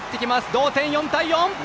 同点、４対４。